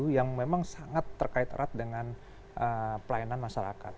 yang memang sangat terkait erat dengan pelayanan masyarakat